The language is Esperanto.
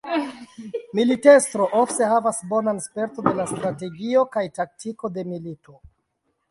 Militestro ofte havas bonan sperton de la strategio kaj taktiko de milito.